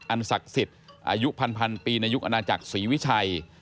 ศักดิ์สิทธิ์อายุพันปีในยุคอนาจักรศรีวิชัย